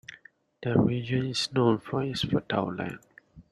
The region is known for its fertile land.